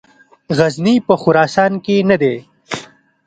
غزني په خراسان کې نه دی.